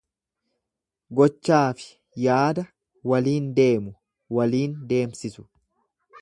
Gochaafi yaada waliin deemu waliin deemsisu.